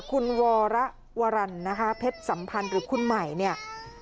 คุณวรวรรรณเพชรสัมพันธ์หรือคุณหมาย